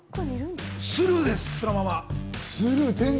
スルーです、そのまま。